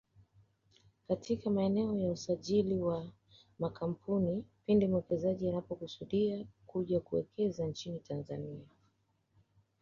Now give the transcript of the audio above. katika maeneo ya usajili wa makampuni pindi mwekezaji anapokusudia kuja kuwekeza nchini Tanzania